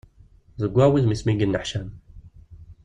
Zewwaɣ wudem-is mi yenneḥcam.